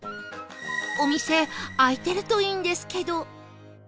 お店開いてるといいんですけど